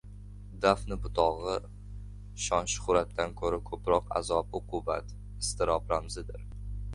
Dafna butog‘i shon-shuhratdan ko‘ra ko‘proq azob-uqubat, iztirob ramzidir.